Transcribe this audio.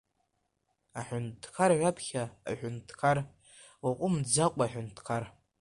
Аҳәынҭқар, ҩаԥхьа аҳәынҭқар, уааҟәымҵӡакәа аҳәынҭқар!